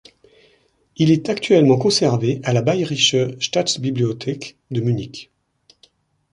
Il est actuellement conservé à la Bayerische Staatsbibliothek de Munich.